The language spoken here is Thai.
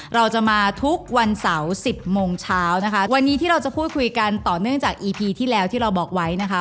เราจะมาทุกวันเสาร์สิบโมงเช้านะคะวันนี้ที่เราจะพูดคุยกันต่อเนื่องจากอีพีที่แล้วที่เราบอกไว้นะคะ